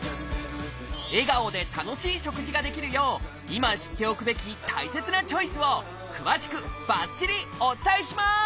笑顔で楽しい食事ができるよう今知っておくべき大切なチョイスを詳しくばっちりお伝えします！